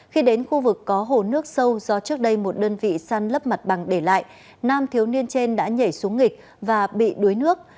khi đến khu vực có hồ nước sâu do trước đây một đơn vị săn lấp mặt bằng để lại nam thiếu niên trên đã nhảy xuống nghịch và bị đuối nước